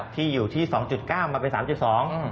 ที่อยู่ที่๒๙มาเป็น๓๒